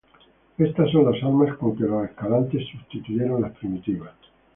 Estas son las armas con que los Escalante sustituyeron las primitivas.